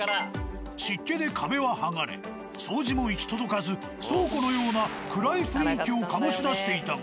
湿気で壁は剥がれ掃除も行き届かず倉庫のような暗い雰囲気を醸し出していたが。